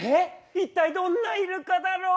一体どんなイルカだろう？